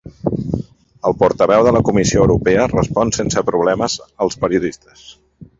El portaveu de la Comissió Europea respon sense problemes als periodistes